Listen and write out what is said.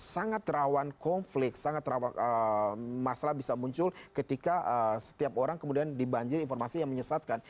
sangat rawan konflik sangat rawan masalah bisa muncul ketika setiap orang kemudian dibanjir informasi yang menyesatkan